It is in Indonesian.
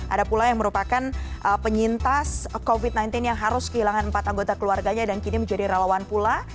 ada pula yang merupakan penyintas covid sembilan belas yang harus kehilangan empat anggota keluarganya dan kini menjadi relawan pula